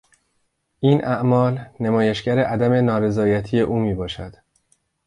این اعمال نمایشگر عدم نارضایتی او میباشد.